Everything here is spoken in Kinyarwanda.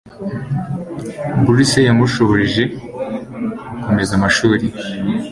bourse yamushoboje gukomeza amashuri